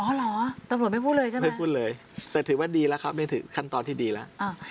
เหรอตำรวจไม่พูดเลยใช่ไหมไม่พูดเลยแต่ถือว่าดีแล้วครับไม่ถือขั้นตอนที่ดีแล้ว